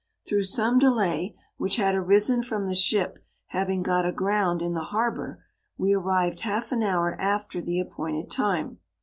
Through some delay, which had arisen from the ship having got a ground in the harbour, we arrived half an hour after the appointed time.